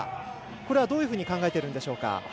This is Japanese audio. これはどういうふうに考えてるんでしょうか？